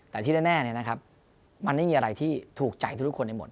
แต่ที่แน่มันไม่มีอะไรที่ถูกใจทุกคนในหมด